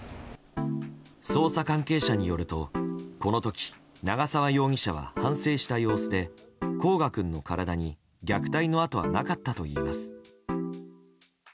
捜査関係者によるとこの時、長沢容疑者は反省した様子で、煌翔君の体に虐待の痕はなかったといいます。